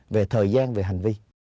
về thời gian về hành vi